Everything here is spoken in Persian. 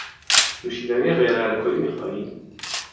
نوشیدنی غیر الکلی می خواهی؟